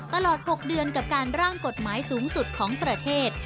ตลอด๖เดือนกับการร่างกฎหมายสูงสุดของประเทศ